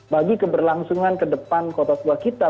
bagi keberlangsungan ke depan kota tua kita